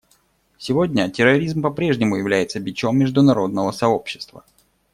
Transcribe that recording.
Сегодня терроризм попрежнему является бичом международного сообщества.